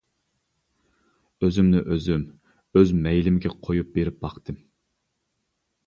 ئۆزۈمنى ئۆزۈم ئۆز مەيلىمگە قۇيۇپ بېرىپ باقتىم.